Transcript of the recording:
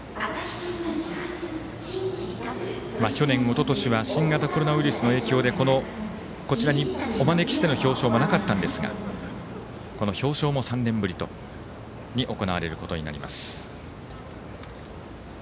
去年、おととしは新型コロナウイルスの影響でこちらにお招きしての表彰がなかったんですがこの表彰も３年ぶりに行われることになります。